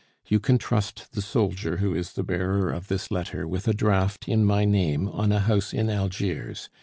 You can trust the soldier who is the bearer of this letter with a draft in my name on a house in Algiers.